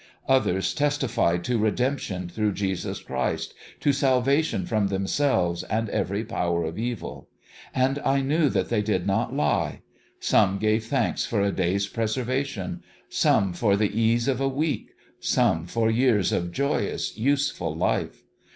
Others testified to redemption through Jesus Christ to salvation from themselves and every power of evil. And I knew that they did not lie. ... Some gave thanks for a day's preservation some for the ease of a week some for years of joyous, useful life.